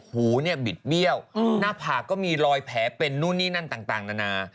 หูเนี่ยบิดเบี้ยวหน้าผากก็มีรอยแผลเป็นนู่นนี่นั่นต่างนานา